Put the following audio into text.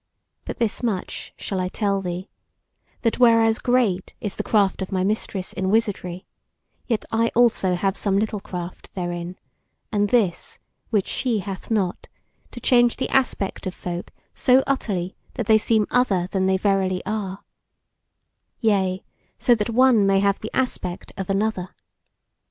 But this much shall I tell thee, that whereas great is the craft of my Mistress in wizardry, yet I also have some little craft therein, and this, which she hath not, to change the aspect of folk so utterly that they seem other than they verily are; yea, so that one may have the aspect of another.